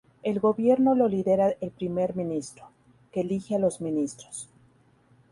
El gobierno lo lidera el primer ministro, que elige a los ministros.